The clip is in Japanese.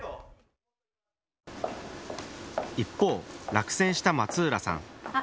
一方、落選した松浦さん。